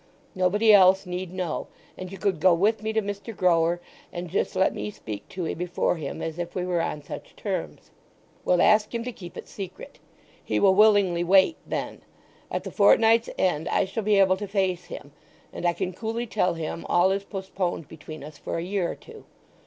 Nobody else need know: you could go with me to Mr. Grower and just let me speak to 'ee before him as if we were on such terms. We'll ask him to keep it secret. He will willingly wait then. At the fortnight's end I shall be able to face him; and I can coolly tell him all is postponed between us for a year or two.